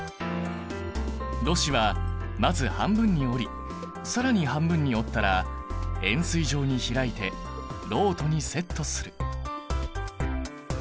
ろ紙はまず半分に折り更に半分に折ったら円すい状に開いてろうとにセットする。